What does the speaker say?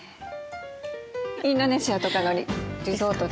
インドネシアとかのリゾートでどう？